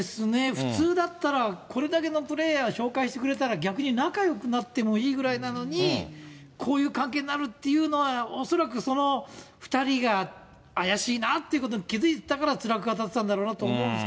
普通だったら、これだけのプレーヤー紹介してくれたら、逆に仲よくなってもいいぐらいなのに、こういう関係になるというのは、恐らくその２人が怪しいなということに気付いてたからつらく当たってたんだろうな